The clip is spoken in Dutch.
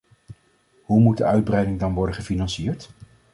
Hoe moet de uitbreiding dan worden gefinancierd?